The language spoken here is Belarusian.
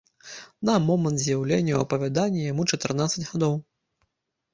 На момант з'яўлення ў апавяданні яму чатырнаццаць гадоў.